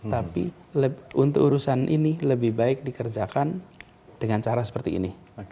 tapi untuk urusan ini lebih baik dikerjakan dengan cara seperti ini